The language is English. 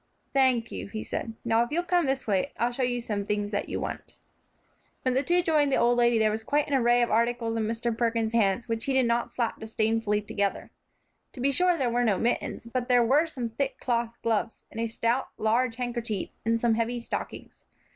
"Thank you," he said. "Now, if you'll come this way, I'll show you some things that you want." When the two joined the old lady there was quite a little array of articles in Mr. Perkins's hands, which he did not slap disdainfully together. To be sure there were no mittens; but there were some thick cloth gloves, and a stout, large handkerchief, and some heavy stockings.